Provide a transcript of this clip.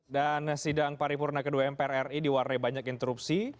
dan sidang paripurna kedua mpr ri diwarai banyak interupsi